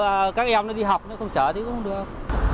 cũng phải vừa các em nó đi học nó không chở thì cũng không được